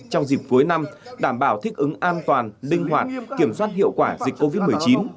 trong dịp cuối năm đảm bảo thích ứng an toàn linh hoạt kiểm soát hiệu quả dịch covid một mươi chín